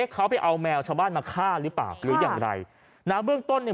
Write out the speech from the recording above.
เขาไปเอามัวนำทางบ้านมาฆ่ายังไหม